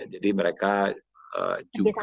jadi mereka juga